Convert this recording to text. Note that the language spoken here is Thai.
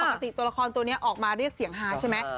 ตัวละครตัวนี้ออกมาเรียกเสียงฮาใช่ไหม